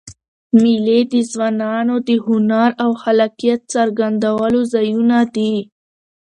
مېلې د ځوانانو د هنر او خلاقیت څرګندولو ځایونه دي.